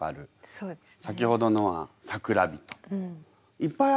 そうですね。